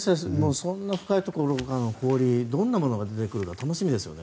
そんな深いところからの氷どんなものが出てくるか楽しみですね。